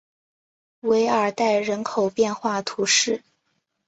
韦尔代人口变化图示